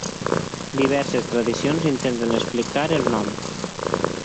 Diverses tradicions intenten explicar el nom.